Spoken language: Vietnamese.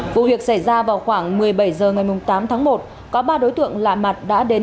vụ việc xảy ra vào khoảng một mươi bảy h ngày tám tháng một có ba đối tượng lạ mặt đã đến